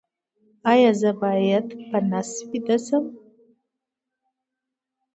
ایا زه باید په نس ویده شم؟